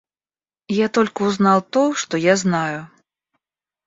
Я только узнал то, что я знаю.